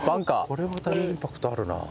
これまたインパクトあるな。